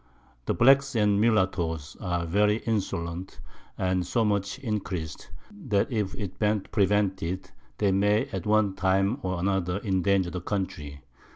The Blacks and Mullattoes are very insolent, and so much increas'd, that if it ben't prevented, they may at one time or other endanger the Country.